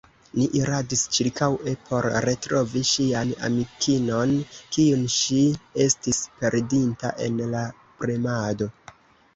Ni iradis ĉirkaŭe, por retrovi ŝian amikinon, kiun ŝi estis perdinta en la premado.